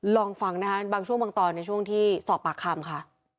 ลองฟังนะคะบางช่วงบางตอนในช่วงที่สอบปากคำค่ะ